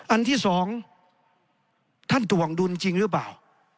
อันที่สองท่านถ่วงดุลจริงหรือเปล่า